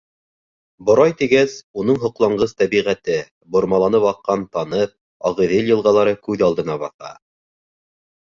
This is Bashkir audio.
Борай тигәс, уның һоҡланғыс тәбиғәте, бормаланып аҡҡан Танып, Ағиҙел йылғалары күҙ алдына баҫа.